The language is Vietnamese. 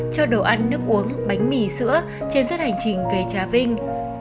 cho đồ ăn nước uống bánh mì sữa trên suốt hành trình về trà vinh